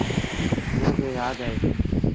موݩ کي يآد اهي۔